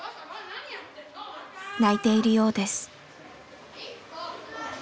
泣いているようです。